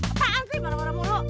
ketaan sih marah marah mulu